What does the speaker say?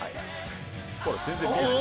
ほら全然見えない。